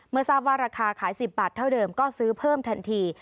ทราบว่าราคาขาย๑๐บาทเท่าเดิมก็ซื้อเพิ่มทันที